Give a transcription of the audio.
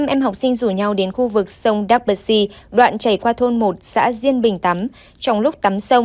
năm em học sinh rủ nhau đến khu vực sông đắk bật xì đoạn chảy qua thôn một xã diên bình tắm